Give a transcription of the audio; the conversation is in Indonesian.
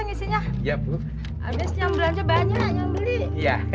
kenapa kalau begini tuh